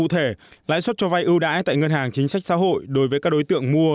cụ thể lãi suất cho vay ưu đãi tại ngân hàng chính sách xã hội đối với các đối tượng mua